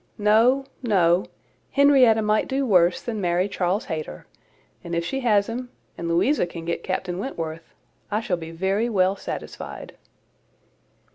No, no; Henrietta might do worse than marry Charles Hayter; and if she has him, and Louisa can get Captain Wentworth, I shall be very well satisfied."